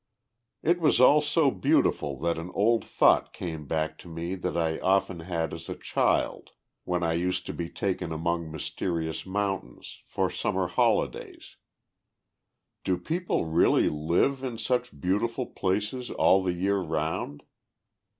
It was all so beautiful that an old thought came back to me that I often had as a child, when I used to be taken among mysterious mountains, for Summer holidays: Do people really live in such beautiful places all the year round?